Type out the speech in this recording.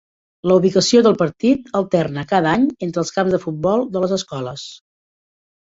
La ubicació del partit alterna cada any entre els camps de futbol de les escoles.